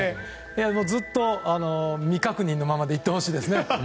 ずっと未確認のままでいってほしいですね。